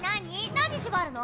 何縛るの？